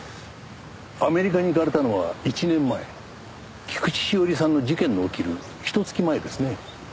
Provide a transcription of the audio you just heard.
アメリカに行かれたのは１年前菊地詩織さんの事件の起きるひと月前ですね？